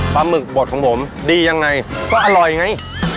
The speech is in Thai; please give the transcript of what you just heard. หมึกบดของผมดียังไงก็อร่อยไง